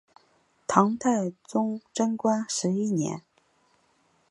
唐太宗贞观十一年。